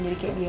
jadi kayak dia